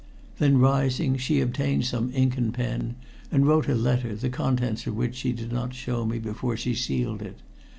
Then rising, she obtained some ink and pen and wrote a letter, the contents of which she did not show me before she sealed it.